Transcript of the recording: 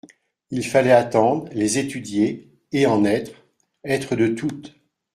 Il fallait attendre, les étudier, et en être, être de toutes.